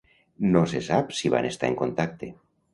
No se sap si van estar en contacte.